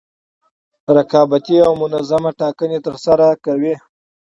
رقابتي او منظمې ټاکنې ترسره کوي.